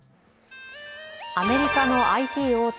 アメリカのＩＴ大手